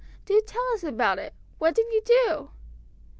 "Do tell us about it. What did you do?"